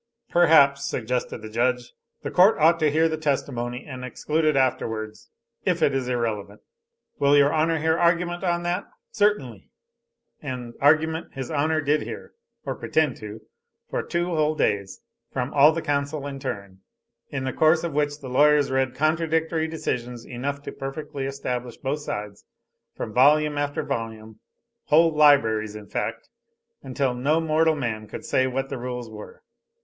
"Perhaps," suggested the judge, "the court ought to hear the testimony, and exclude it afterwards, if it is irrelevant." "Will your honor hear argument on that!" "Certainly." And argument his honor did hear, or pretend to, for two whole days, from all the counsel in turn, in the course of which the lawyers read contradictory decisions enough to perfectly establish both sides, from volume after volume, whole libraries in fact, until no mortal man could say what the rules were.